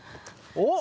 おっ！